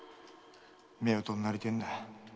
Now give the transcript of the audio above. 〔夫婦になりてえんだ。